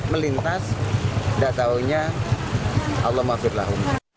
melintas tidak tahunya allah maafi allah